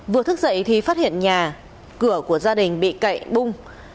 vừa thức dậy thì phát hiện nhà cửa của gia đình bị cậy bung